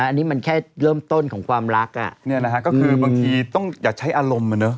อันนี้มันแค่เริ่มต้นของความรักอ่ะเนี่ยนะฮะก็คือบางทีต้องอย่าใช้อารมณ์อ่ะเนอะ